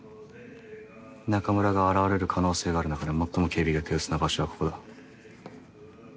仲村が現れる可能性がある中で最も警備が手薄な場所はここだ。